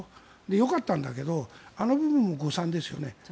よかったんだけどあの部分も誤算ですよね。